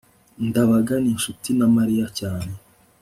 ndabaga ni inshuti na mariya cyane